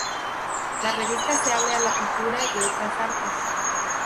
La revista se abre a la pintura y otras artes.